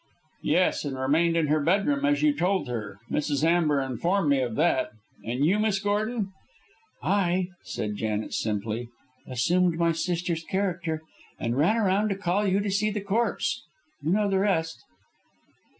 "Yes, and remained in her bedroom as you told her. Mrs. Amber informed me of that. And you, Miss Gordon?" "I," said Janet, simply, "assumed my sister's character and ran round to call you to see the corpse. You know the rest."